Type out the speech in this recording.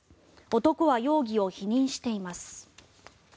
男は容疑を否認しています。